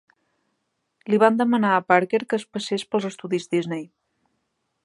Li van demanar a Parker que es passés pels estudis Disney.